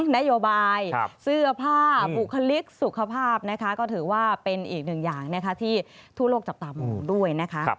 นโยบายเสื้อผ้าบุคลิกสุขภาพนะคะก็ถือว่าเป็นอีกหนึ่งอย่างที่ทั่วโลกจับตามองด้วยนะคะ